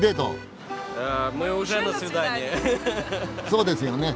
そうですよね。